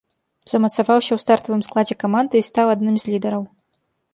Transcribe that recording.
Замацаваўся ў стартавым складзе каманды і стаў адным з лідараў.